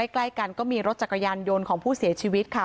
ใกล้กันก็มีรถจักรยานยนต์ของผู้เสียชีวิตค่ะ